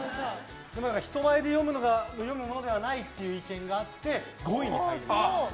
人前で読むものではないという意見があって５位に入りました。